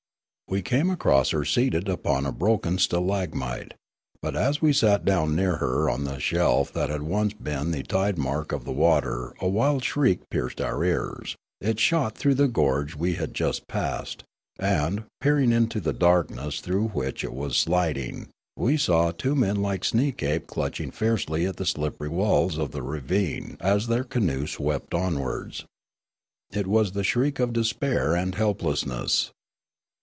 We came across her seated upon a broken stalagmite, but as we sat down near her on a shelf that had once been the tidemark of the water a wild shriek pierced our ears ; it shot through the gorge we had just passed, and, peering into the darkness through which it was sliding, we saw two men like Sneekape clutching fiercely at the slippery walls of the ravine as their canoe swept onwards. It was the shriek of despair and helplessness.